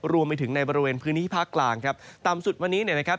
รวมไปถึงในบริเวณพื้นที่ภาคกลางครับต่ำสุดวันนี้เนี่ยนะครับ